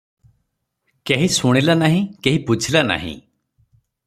କେହି ଶୁଣିଲା ନାହିଁ- କେହି ବୁଝିଲା ନାହିଁ